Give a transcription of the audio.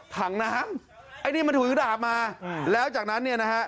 ถังน้ำไอ้นี่มันถือดาบมาแล้วจากนั้นเนี่ยนะฮะ